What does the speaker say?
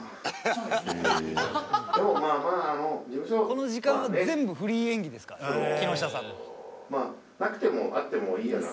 「この時間は全部フリー演技ですから木下さんの」